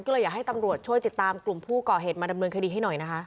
ก็เลยอยากให้ตำรวจช่วยติดตามกลุ่มผู้ก่อเหตุมาดำเนินคดีให้หน่อยนะคะ